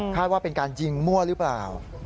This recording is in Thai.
ว่าเป็นการยิงมั่วหรือเปล่า